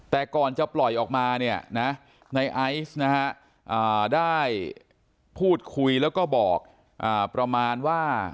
แต่ก่อนจะปล่อยออกมาเนี่ยนะในไอซ์นะฮะได้พูดคุยแล้วก็บอกประมาณว่า